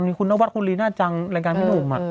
มีคุณนวัดคุณลีน่าจังรายการพี่หนุ่ม